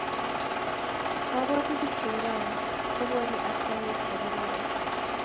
kapwatutik chekororon kubwoni ak yaet nekararan